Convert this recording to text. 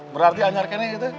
berarti anjar kini gitu